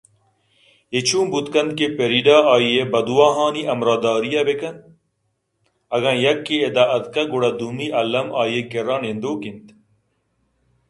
اے چون بوت کنت کہ فریڈا آئی ءِ بدواہانی ہمراہ داری ءَبہ کنت ؟ اگاں یکے اِدا اتکگ گڑا دومی الّمءَ آئی ءِ کِرّا نندوک اِنت